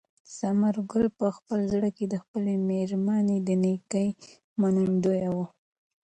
ثمر ګل په خپل زړه کې د خپلې مېرمنې د نېکۍ منندوی و.